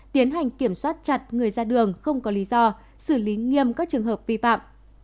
tiến hành kiểm soát chặt người ra đường không có lý do xử lý nghiêm các trường hợp vi phạm